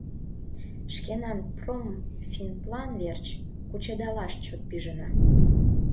Шкенан промфинплан верч кучедалаш чот пижына!